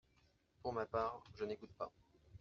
-pour ma part, je n’écoute pas.